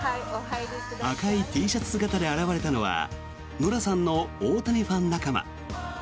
赤いＴシャツ姿で現れたのはノラさんの大谷ファン仲間。